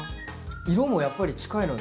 色もやっぱり近いので。